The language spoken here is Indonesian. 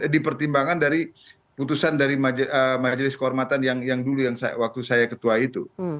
di pertimbangan dari putusan dari majelis kehormatan yang dulu waktu saya ketua itu